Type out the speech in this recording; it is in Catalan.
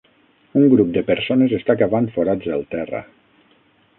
Un grup de persones està cavant forats al terra.